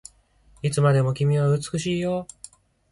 いつまでも君は美しいよ